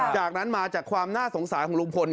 จากนั้นมาจากความน่าสงสารของลุงพล